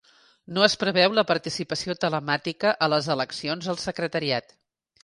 No es preveu la participació telemàtica a les eleccions al Secretariat.